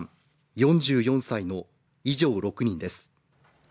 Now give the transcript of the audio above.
４４歳の以上６人です。